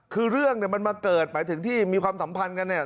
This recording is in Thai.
คือเรื่องเนี่ยมันมาเกิดหมายถึงที่มีความสัมพันธ์กันเนี่ย